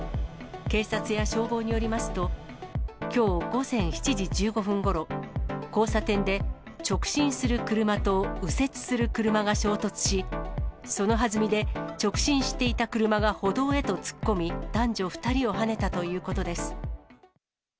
警察や消防によりますと、きょう午前７時１５分ごろ、交差点で直進する車と右折する車が衝突し、その弾みで直進していた車が歩道へと突っ込み、男女２人をはねたということです。